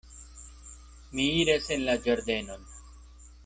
Mi iras en la ĝardenon.